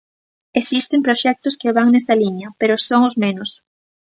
Existen proxectos que van nesa liña, pero son os menos.